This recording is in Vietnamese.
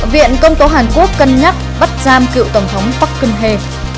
viện công tố hàn quốc cân nhắc bắt giam cựu tổng thống park geun hye